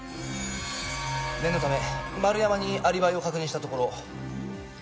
念のため丸山にアリバイを確認したところ。